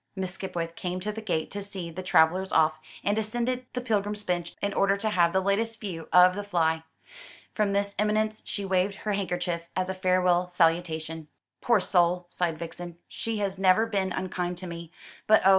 Miss Skipwith came to the gate to see the travellers off, and ascended the pilgrim's bench in order to have the latest view of the fly. From this eminence she waved her handkerchief as a farewell salutation. "Poor soul!" sighed Vixen; "she has never been unkind to me; but oh!